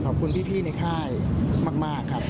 ขอบคุณพี่ในค่ายมากครับ